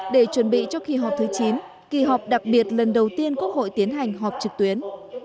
để chuẩn bị cho kỳ họp thứ chín kỳ họp đặc biệt lần đầu tiên quốc hội tiến hành họp trực tuyến